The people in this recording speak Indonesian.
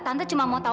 tante cuma mau tahu